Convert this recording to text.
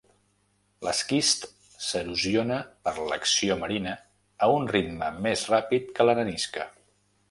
L'esquist s'erosiona per l'acció marina a un ritme més ràpid que l'arenisca.